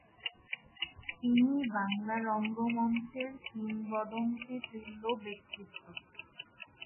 তিনি বাংলা রঙ্গমঞ্চের কিংবদন্তিতৃল্য ব্যক্তিত্ব।